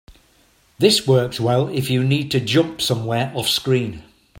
This works well if you need to jump somewhere offscreen.